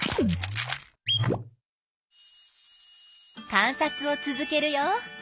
観察を続けるよ。